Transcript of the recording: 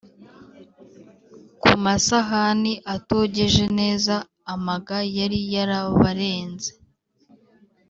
ku masahani atogeje neza, amaga yari yarabarenze,